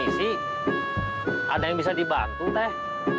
isi ada yang bisa dibantu teh